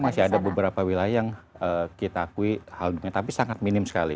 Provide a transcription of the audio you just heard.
masih ada beberapa wilayah yang kita akui hal dunia tapi sangat minim sekali